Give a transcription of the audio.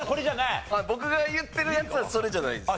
僕が言ってるやつはそれじゃないんです。